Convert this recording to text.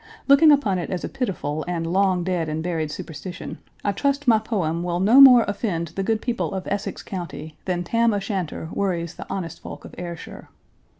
Looking upon it as a pitiful and long dead and buried superstition, I trust my poem will no more offend the good people of Essex County than Tam O'Shanter worries the honest folk of Ayrshire.